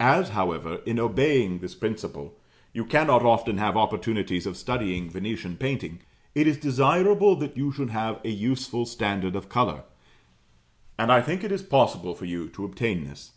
As, however, in obeying this principle, you cannot often have opportunities of studying Venetian painting, it is desirable that you should have a useful standard of colour, and I think it is possible for you to obtain this.